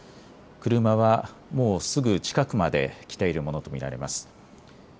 車はもうすぐ近くまで来ているものと見えます。